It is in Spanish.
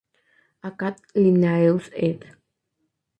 Acad., Linnaeus ed.